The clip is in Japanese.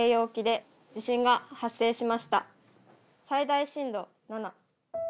最大震度７。